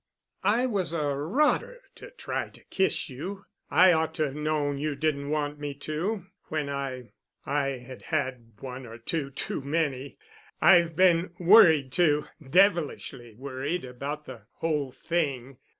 I was a rotter to try to kiss you. I ought to have known you didn't want me to—when I—I had had one or two too many. I've been worried too—devilish worried about the whole thing.